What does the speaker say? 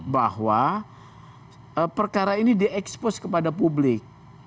bahwa perkara ini diekspos kepada publik